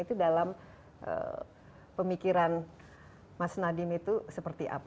itu dalam pemikiran mas nadiem itu seperti apa